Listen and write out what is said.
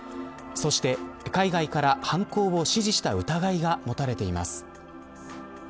そして、海外から犯行を指示した疑いが持たれています。